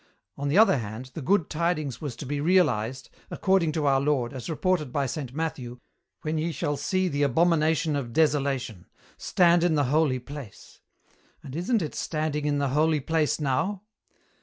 On the other hand, the good tidings was to be realized, according to Our Lord, as reported by Saint Matthew, 'When ye shall see the abomination of desolation ... stand in the holy place.' And isn't it standing in the holy place now?